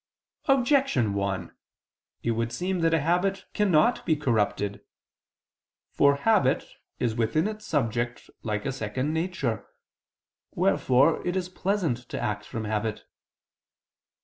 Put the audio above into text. Objection 1: It would seem that a habit cannot be corrupted. For habit is within its subject like a second nature; wherefore it is pleasant to act from habit.